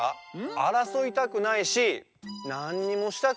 あらそいたくないしなんにもしたくないっていったんだよ。